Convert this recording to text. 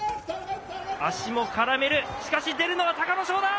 足も絡める、しかし、出るのは隆の勝だ。